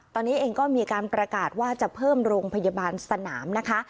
ตอนนี้เองก็มีการประกาศว่าจะเพิ่มโรงพยาบาลสนามนะคะ